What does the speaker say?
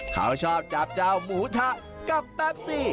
เขาชอบจับเจ้าหมูทะกับแป๊บซี่